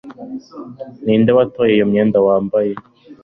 Ninde watoye iyo myenda wambaye